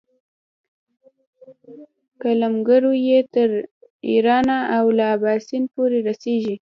قلمرو یې تر ایرانه او له اباسین پورې رسېږي.